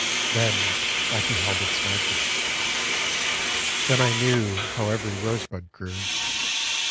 Then I beheld its magic. Then I knew How every rosebud grew.